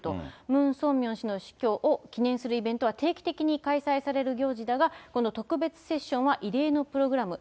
ムン・ソンミョン氏の死去を記念するイベントは定期的に開催される行事だが、この特別セッションは異例のプログラム。